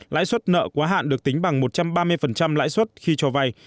lãi suất nợ quá hạn được tính bằng một trăm ba mươi lãi suất khi cho vay